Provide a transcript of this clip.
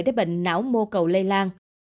để bệnh não mô cầu lây lan